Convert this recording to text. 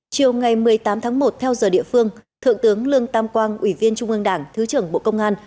chiều ngày một mươi tám tháng một theo giờ địa phương thượng tướng lương tam quang ủy viên trung ương đảng thứ trưởng bộ công an